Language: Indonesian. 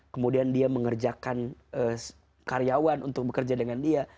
kemudian dia mengerjakan karyawan untuk bekerja dengan dia